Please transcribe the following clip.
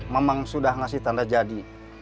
memang sudah ngasih tanda jadi